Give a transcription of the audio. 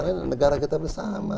karena negara kita bersama